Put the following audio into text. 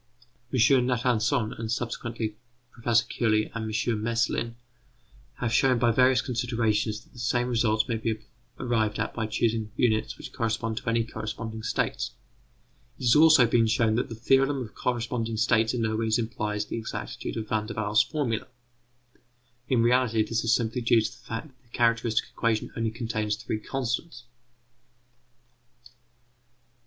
M. Natanson, and subsequently P. Curie and M. Meslin, have shown by various considerations that the same result may be arrived at by choosing units which correspond to any corresponding states; it has also been shown that the theorem of corresponding states in no way implies the exactitude of Van der Waals' formula. In reality, this is simply due to the fact that the characteristic equation only contains three constants.